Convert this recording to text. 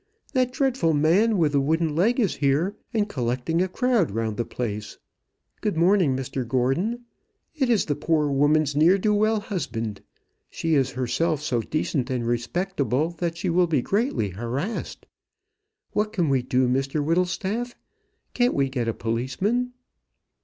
that dreadful man with the wooden leg is here, and collecting a crowd round the place. Good morning, Mr Gordon. It is the poor woman's ne'er do well husband. She is herself so decent and respectable, that she will be greatly harassed. What can we do, Mr Whittlestaff? Can't we get a policeman?"